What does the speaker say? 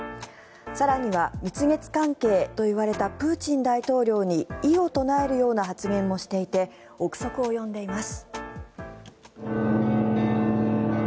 更には蜜月関係といわれたプーチン大統領に異を唱えるような発言もしていて臆測を呼んでいます。